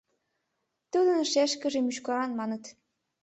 Тудын шешкыже мӱшкыран маныт.